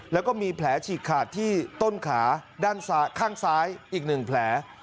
แล้วก็มีแผลฉีกขาดที่ต้นขาด้านข้างซ้ายอีก๑แผล